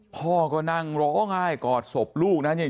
พ่อก็นั่งร้องไห้กอดศพลูกนะเนี่ย